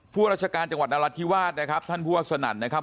ราชการจังหวัดนราธิวาสนะครับท่านผู้ว่าสนั่นนะครับ